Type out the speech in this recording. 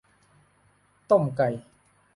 ต้มไก่